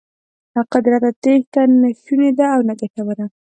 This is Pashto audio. له قدرته تېښته نه شونې ده او نه ګټوره.